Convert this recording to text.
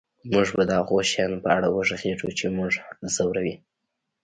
موږ به د هغو شیانو په اړه وغږیږو چې موږ ځوروي